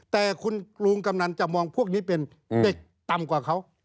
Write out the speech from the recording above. แต่คุณลุงกำนันจะมองพวกนี้เป็นเด็กต่ำกว่าเขา